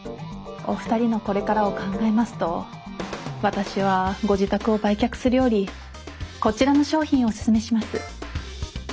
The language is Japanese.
お二人のこれからを考えますと私はご自宅を売却するよりこちらの商品をおすすめします。